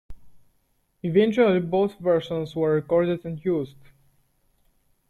Eventually both versions were recorded and used.